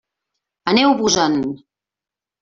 Aneu-vos-en!